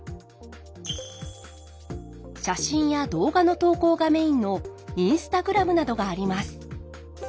写真や動画の投稿がメインのＩｎｓｔａｇｒａｍなどがあります。